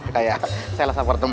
kayak sales apartment